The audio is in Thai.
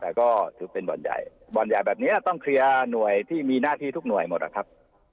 แต่ก็ถือเป็นบ่อนใหญ่บ่อนใหญ่แบบนี้ต้องเคลียร์หน่วยที่มีหน้าที่ทุกหน่วยหมดนะครับ